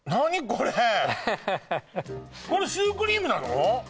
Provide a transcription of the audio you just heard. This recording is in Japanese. これこれシュークリームなの？